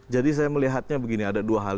jadi saya melihatnya begini ada dua hal